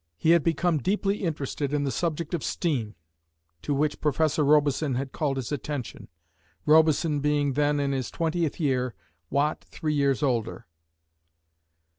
He had become deeply interested in the subject of steam, to which Professor Robison had called his attention, Robison being then in his twentieth year, Watt three years older.